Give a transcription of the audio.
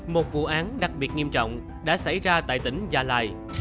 một vụ án đặc biệt nghiêm trọng đã xảy ra tại tỉnh gia lai